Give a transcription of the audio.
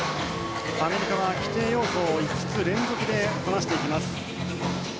アメリカは規定要素を５つ連続でこなしていきます。